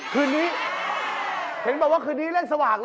คืนนี้เห็นบอกว่าคืนนี้เล่นสว่างเลย